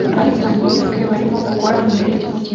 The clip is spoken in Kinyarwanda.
Abakunzi ba New York barimo gukora mugihe cy'umukino